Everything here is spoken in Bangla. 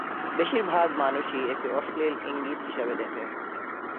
বেশিরভাগ মানুষই একে অশ্লীল ইঙ্গিত হিসেবে দেখে।